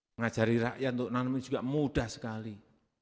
mengajari rakyat untuk nanam ini juga mudah sekali